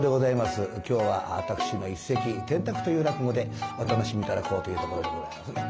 今日は私の一席「転宅」という落語でお楽しみ頂こうというところでございます。